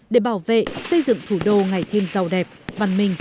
để bảo vệ xây dựng thủ đô ngày thêm giàu đẹp văn minh hiện đại